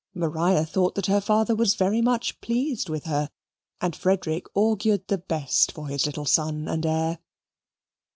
Maria thought that her father was very much pleased with her, and Frederick augured the best for his little son and heir.